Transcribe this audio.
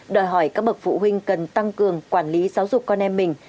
đòi hỏi các bậc phụ huynh cần tăng cường quản lý giáo dục con em mình